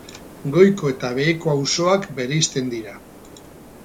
Goiko eta Beheko auzoak bereizten dira.